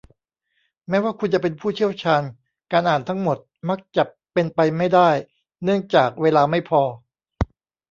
แม้ว่าคุณจะเป็นผู้เชี่ยวชาญ การอ่านทั้งหมดมักจะเป็นไปไม่ได้เนื่องจากเวลาไม่พอ